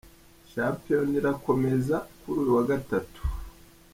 Shampiyona irakomeza kuri uyu wa Gatatu.